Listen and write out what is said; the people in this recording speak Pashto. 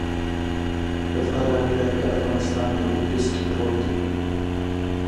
د فراه ولايت د افغانستان په لویدیځ کی پروت دې.